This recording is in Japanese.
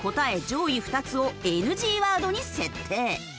上位２つをＮＧワードに設定。